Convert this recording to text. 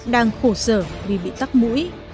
đang khổ sở vì bị tắt mũi